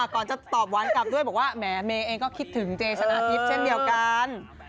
ก่อนจะตอบหวานกลับด้วยบอกว่าแหมเมย์เองก็คิดถึงเจชนะทิพย์เช่นเดียวกัน